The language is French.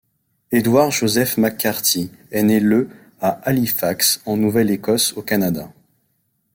Edward Joseph McCarthy est né le à Halifax en Nouvelle-Écosse au Canada.